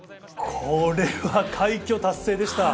これは快挙達成でした。